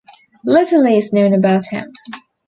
Little is known about him.